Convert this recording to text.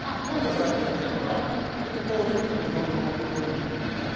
でここ下りると祇園の通りに行くんだね。